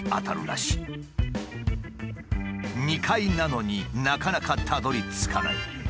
２階なのになかなかたどりつかない。